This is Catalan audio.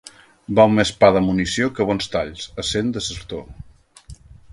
Val més pa de munició que bons talls, essent desertor.